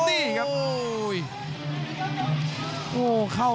โอ้โหเดือดจริงครับ